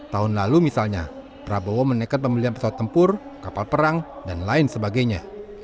tahun lalu misalnya prabowo menekan pembelian pesawat tempur kapal perang dan lain sebagainya